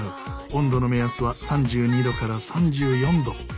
温度の目安は３２℃から３４℃。